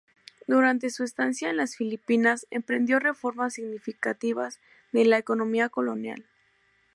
Durante su estancia en las Filipinas emprendió reformas significativas de la economía colonial.